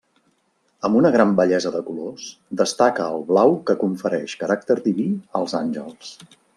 Amb una gran bellesa de colors, destaca el blau que confereix caràcter diví als àngels.